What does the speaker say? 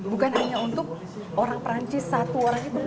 bukan hanya untuk orang perancis satu orang itu